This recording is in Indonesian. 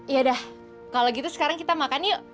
yaudah kalau gitu sekarang kita makan yuk